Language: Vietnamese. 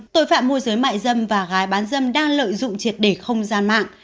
tội phạm môi giới mại dâm và gái bán dâm đang lợi dụng triệt để không gian mạng